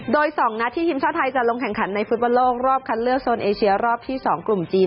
โดย๒นัดที่ทีมชาติไทยจะลงแข่งขันในฟุตบอลโลกรอบคัดเลือกโซนเอเชียรอบที่๒กลุ่มจีน